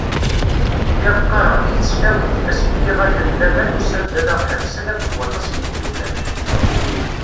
Lliɣ qqareɣ di tesnawit, asmi iɣallen n laman usan-d ad aɣ-ḥebsen akked waṭas n yimeddukkal.